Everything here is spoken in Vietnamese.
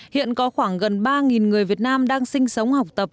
hiện có khoảng gần ba người việt nam đang sinh sống học tập